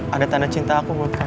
ada tanda cinta aku buat kamu